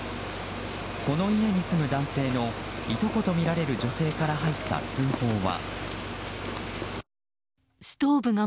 この家に住む男性のいとことみられる女性から入った通報は。